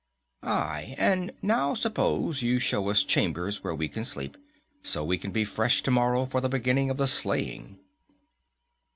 "Aye. And now suppose you show us chambers where we can sleep, so we can be fresh tomorrow for the beginning of the slaying."